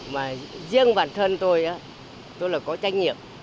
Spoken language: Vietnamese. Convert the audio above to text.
mà riêng bản thân tôi tôi là có trách nhiệm